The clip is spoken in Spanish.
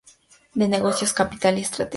De negocios: Capital y Estrategia.